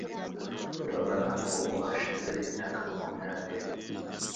Urabona ubu hashize imyaka makumyabiri